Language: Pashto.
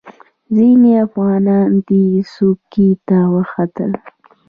ځینې افغانان دې څوکې ته وختل.